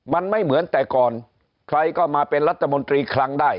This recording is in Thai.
มันไม่เหมือนแต่ก่อนใครก็มาเป็นรัฐมนตรีคลังได้